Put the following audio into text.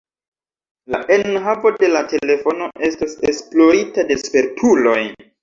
La enhavo de la telefono estos esplorita de spertuloj.